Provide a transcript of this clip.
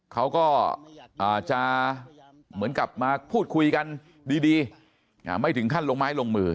เขาก็จะเหมือนกับมาพูดคุยกันดีไม่ถึงขั้นลงไม้ลงมือ